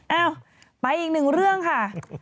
เอ้าไปอีกหนึ่งเรื่องค่ะ